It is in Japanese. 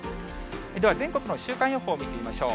では、全国の週間予報見てみましょう。